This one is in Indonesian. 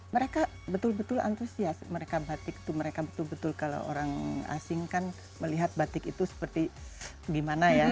mereka betul betul antusias mereka batik itu mereka betul betul kalau orang asing kan melihat batik itu seperti gimana ya